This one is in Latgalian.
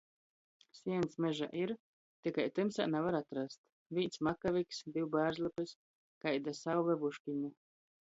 Sieņs mežā ir, tikai tymsā navar atrast. Vīns makaviks, div bārzlapis, kaida sauve vuškiņu.